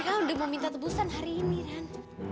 rika udah mau minta tebusan hari ini ran